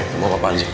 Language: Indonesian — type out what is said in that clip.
nama bapak aja